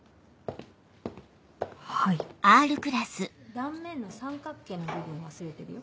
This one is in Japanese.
断面の三角形の部分忘れてるよ